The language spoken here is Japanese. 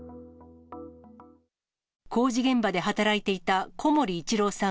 工事現場で働いていた小森一郎さん